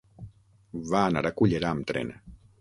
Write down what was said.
Va anar a Cullera amb tren.